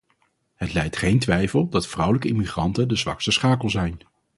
Het lijdt geen twijfel dat vrouwelijke immigranten de zwakste schakel zijn.